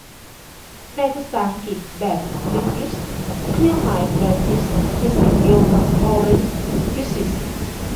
ในภาษาอังกฤษแบบบริติช เครื่องหมาย แบรคิท คือสิ่งเดียวกับเพอะเร็นธิซิซ